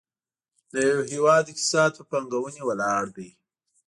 د یو هېواد اقتصاد په پانګونې ولاړ دی.